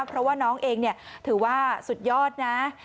เพราะว่าน้องเองถือว่าสุดยอดนะ